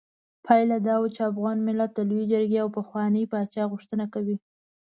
پايله دا وه چې افغان ملت د لویې جرګې او پخواني پاچا غوښتنه کوي.